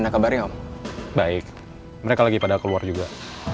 hei paragam bye pengemangan